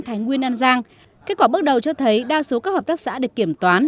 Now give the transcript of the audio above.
thái nguyên an giang kết quả bước đầu cho thấy đa số các hợp tác xã được kiểm toán